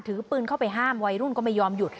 ถือปืนเข้าไปห้ามวัยรุ่นก็ไม่ยอมหยุด